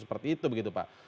seperti itu pak